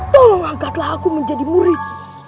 tolong angkatlah aku menjadi murid